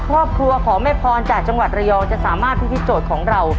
ครอบครัวของแม่พรจากจังหวัดระยองจะสามารถพิธีโจทย์ของเรา